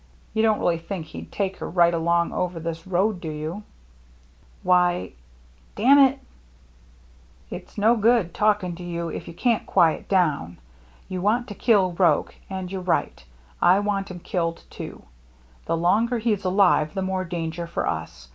You don't really think he'd take her right along over this road, do you ?" VAN DEELEN'S BRIDGE 309 "Why — dam' it!" " It's no good talking to you if you can't quiet down. You want to kill Roche, and you're right. I want him killed, too. The longer he's alive, the more danger for us.